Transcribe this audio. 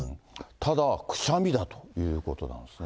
ただ、くしゃみだということなんですね。